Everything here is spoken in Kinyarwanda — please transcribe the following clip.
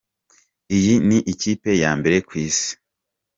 "Iyi ni ikipe ya mbere ku isi.